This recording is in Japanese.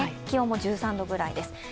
気温も１３度ぐらいです。